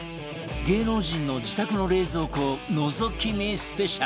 芸能人の自宅の冷蔵庫をのぞき見スペシャル